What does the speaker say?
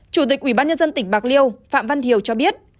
chủ tịch ubnd tỉnh bạc liêu phạm văn hiều cho biết